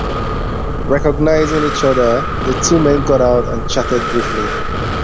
Recognizing each other, the two men got out and chatted briefly.